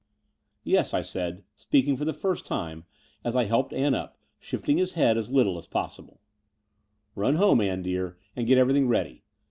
"Yes," I said, speaking for the first time, as I hdped Ann up, shifting his head as little as The Brighton Road A3 possible. Run home, Ann dear, and get every thing ready.